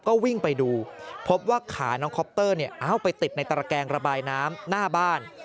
ก็วิ่งไปดูพบว่าขาน้องคอปเตอร์ไปติดในตระแกงระบายน้ำหน้าบ้าน